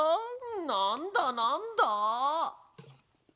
なんだなんだ？